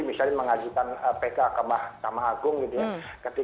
misalnya mengajukan pk kemah agung gitu ya